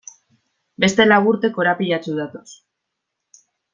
Beste lau urte korapilatsu datoz.